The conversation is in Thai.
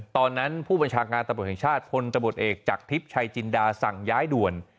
ตอนนั้นผู้บัญชาการตำรวจเองชาติพลิปชัยจินดาสั่งย้ายด่วน